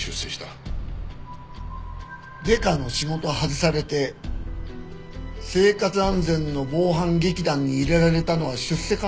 デカの仕事を外されて生活安全の防犯劇団に入れられたのは出世かねえ？